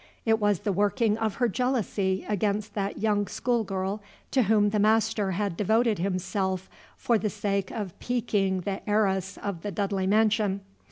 It was the working of her jealousy against that young schoolgirl to whom the master had devoted himself for the sake of piquing the heiress of the Dudley mansion.